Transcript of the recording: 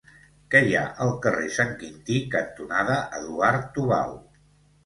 Què hi ha al carrer Sant Quintí cantonada Eduard Tubau?